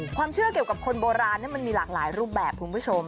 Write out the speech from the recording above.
ความเชื่อเกี่ยวกับคนโบราณมันมีหลากหลายรูปแบบคุณผู้ชม